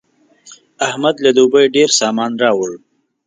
احمد له دوبۍ ډېر سامان راوړ.